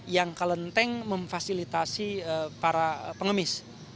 yang kelenteng memfasilitasi para pengemis